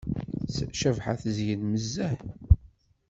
Cabḥa tezyen nezzeh.